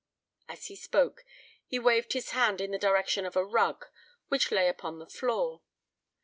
As he spoke he waved his hand in the direction of a rug which lay upon the floor.